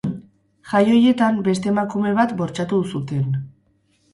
Jai horietan beste emakume bat bortxatu zuten.